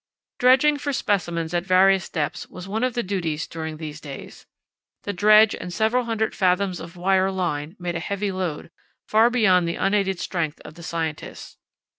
Dredging for specimens at various depths was one of the duties during these days. The dredge and several hundred fathoms of wire line made a heavy load, far beyond the unaided strength of the scientists.